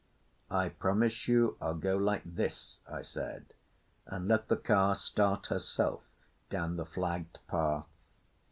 "I promise you I'll go like this," I said, and let the car start herself down the flagged path.